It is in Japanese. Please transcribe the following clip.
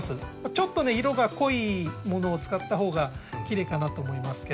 ちょっとね色が濃いものを使ったほうがきれいかなと思いますけど。